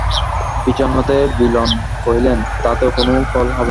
পিছন হইতে বিল্বন কহিলেন, তাতেও কোনো ফল হবে না।